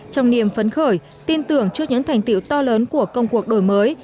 trong niềm phấn khởi tin tưởng trước những thành tiệu to lớn của công cuộc đổi mới